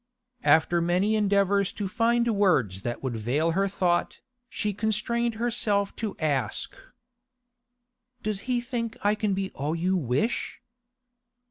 After many endeavours to find words that would veil her thought, she constrained herself to ask: 'Does he think I can be all you wish?